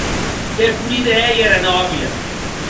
Qué polida ei era nòvia!